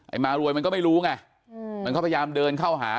มารวยมันก็ไม่รู้ไงมันก็พยายามเดินเข้าหา